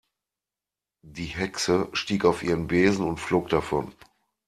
Die Hexe stieg auf ihren Besen und flog davon.